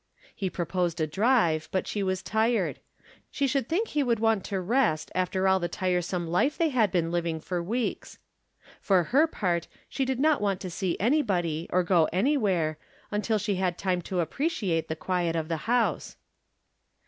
He proposed a drive, but she was tired ; she should think he would want to rest after all the tiresome life they had been liYing for weeks. For her part, she did not want to see anybody, or go anywhere, until she had time to appreciate the quiet of the house.